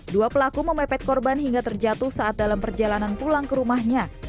dua pelaku memepet korban hingga terjatuh saat dalam perjalanan pulang ke rumahnya